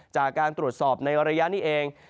จากการตรวจสอบในระยะนี้เอง